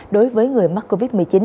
đối với người mắc covid một mươi chín